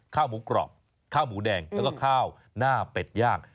ข้าวหมูกรอบข้าวหมูแดงแล้วก็ข้าวหน้าเป็ดย่าง